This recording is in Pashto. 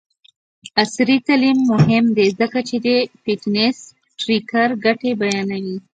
عصري تعلیم مهم دی ځکه چې د فټنس ټریکر ګټې بیانوي.